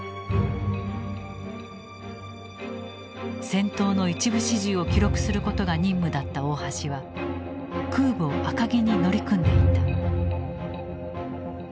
戦闘の一部始終を記録することが任務だった大橋は空母赤城に乗り組んでいた。